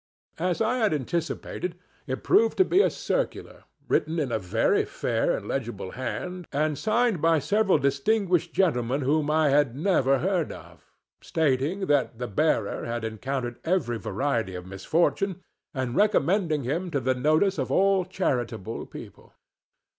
As I had anticipated, it proved to be a circular, written in a very fair and legible hand and signed by several distinguished gentlemen whom I had never heard of, stating that the bearer had encountered every variety of misfortune and recommending him to the notice of all charitable people.